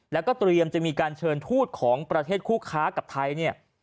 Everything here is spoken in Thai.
แล้วก็เตรียมจะมีการเชิญทูตของประเทศคู่ค้ากับไทยเนี่ย